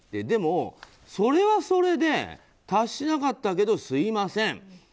でも、それはそれで達しなかったけどすみません。